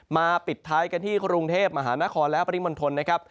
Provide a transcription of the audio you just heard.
ปิดท้ายกันที่กรุงเทพมหานครและปริมณฑลนะครับ